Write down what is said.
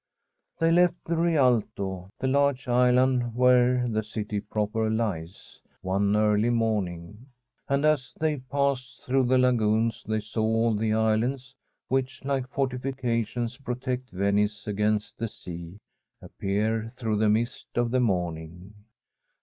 The FUbermatfs RING They left the Rialto, the large island where the city proper lies, one early morning, and as they passed through the lagoons they saw all the islands which, like fortifications, protect Venice against the sea, appear through the mist of the morning.